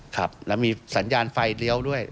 ครับแล้วมีสัญญาณไฟเลี้ยวด้วย